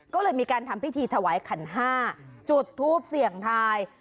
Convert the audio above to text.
ก็เลยมีการทำพิธีถวายขันห้าจุดทูปเสี่ยงทาย